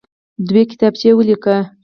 دوې کتابچې ولیکئ.